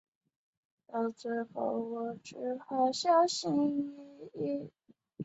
芦潮港镇原是中国上海市浦东新区下辖的一个镇。